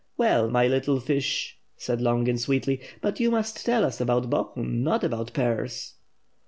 *^ell, my little fish," said Longin sweetly, "but you must tell us about Bohun, not about pears."